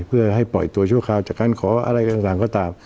เพื่อให้ปล่อยตัวชั่วคราวจากการขออะไรต่างก็ตาม